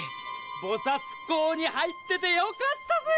菩薩講に入っててよかったぜ！